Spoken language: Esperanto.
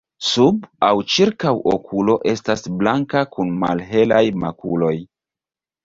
Sub aŭ ĉirkaŭ okulo estas blanka kun malhelaj makuloj.